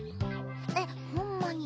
えっほんまに？